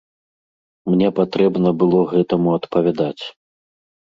Мне патрэбна было гэтаму адпавядаць.